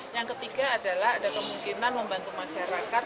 yang ketiga adalah ada kemungkinan membantu masyarakat